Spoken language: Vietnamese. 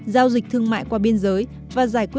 điều đó không tốt lắm